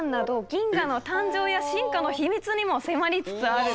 銀河の誕生や進化の秘密にも迫りつつある。